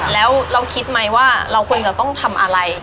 แล้วเราคิดไหมว่าเราควรจะต้องทำอะไร